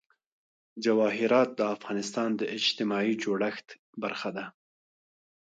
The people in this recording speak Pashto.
جواهرات د افغانستان د اجتماعي جوړښت برخه ده.